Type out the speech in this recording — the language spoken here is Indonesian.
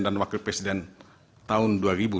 dan wakil presiden tahun dua ribu dua puluh empat